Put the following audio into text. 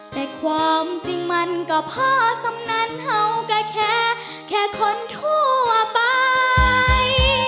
แต่ความจริงมันก็พอสำนันเห่าก็แค่แค่คนทั่วไป